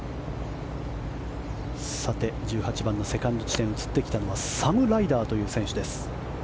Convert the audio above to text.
さて、１８番のセカンド地点映ってきたのはサム・ライダーという選手です。